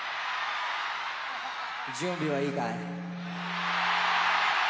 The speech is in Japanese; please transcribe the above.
準備はいいかい？